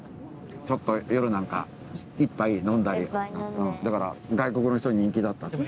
ちょっと夜なんか１杯飲んだりだから外国の人に人気だった。